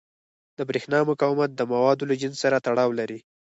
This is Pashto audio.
د برېښنا مقاومت د موادو له جنس سره تړاو لري.